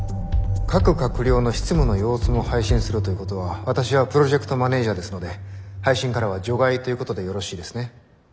各閣僚の執務の様子も配信するということは私はプロジェクトマネージャーですので配信からは除外ということでよろしいですね。